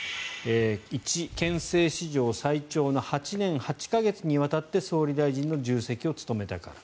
１、憲政史上最長の８年８か月にわたって総理大臣の重責を務めたから。